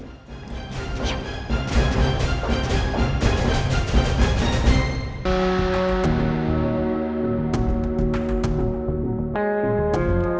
masuk aja yuk